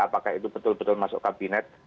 apakah itu betul betul masuk kabinet